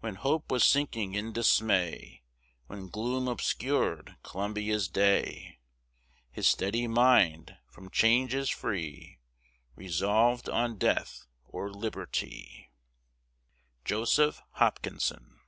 When hope was sinking in dismay, When gloom obscured Columbia's day, His steady mind, from changes free, Resolved on death or liberty. JOSEPH HOPKINSON.